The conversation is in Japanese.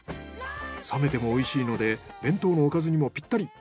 冷めてもおいしいので弁当のおかずにもピッタリ。